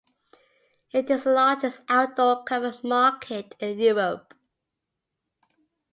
It is the largest outdoor covered market in Europe.